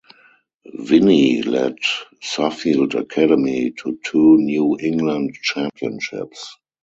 Vinny led Suffield Academy to two New England championships.